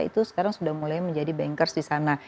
itu sekarang sudah mulai menjadi bankers di sana